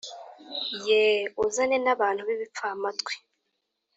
Ye uzane n abantu b ibipfamatwi